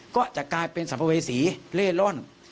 ก็จะกลายเป็นสัมภเวษีเล่ร่อน